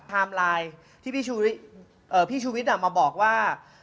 ไลน์ที่พี่ชูวิทย์มาบอกว่า